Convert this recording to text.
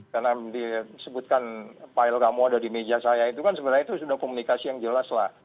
karena disebutkan file kamu ada di meja saya itu kan sebenarnya itu sudah komunikasi yang jelas lah